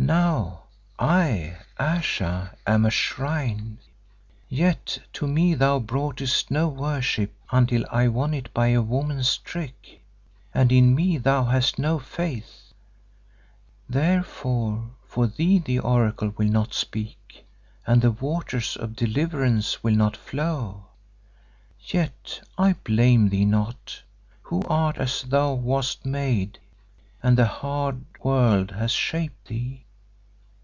"Now I, Ayesha, am a shrine; yet to me thou broughtest no worship until I won it by a woman's trick, and in me thou hast no faith. Therefore for thee the oracle will not speak and the waters of deliverance will not flow. Yet I blame thee not, who art as thou wast made and the hard world has shaped thee.